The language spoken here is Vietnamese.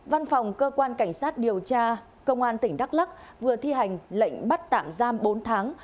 văn phòng cơ quan cảnh sát điều tra công an tỉnh đắk lắc vừa thi hành lệnh bắt tạm giam bốn tháng